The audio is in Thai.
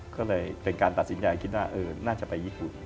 ก็เลยเป็นการตัดสินใจคิดว่าน่าจะไปญี่ปุ่น